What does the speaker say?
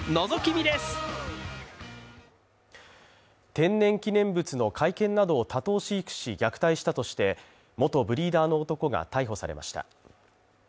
天然記念物の甲斐犬などを多頭飼育し虐待したとして元ブリーダーの男が逮捕されました。